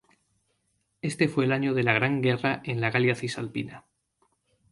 Este fue el año de la gran guerra en la Galia Cisalpina.